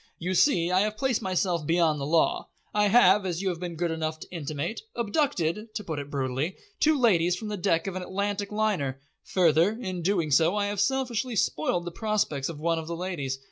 "You see, I have placed myself beyond the law. I have, as you have been good enough to intimate, abducted to put it brutally two ladies from the deck of an Atlantic liner. Further, in doing so I have selfishly spoiled the prospects of one of the ladies.